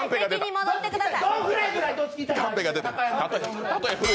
戻ってください。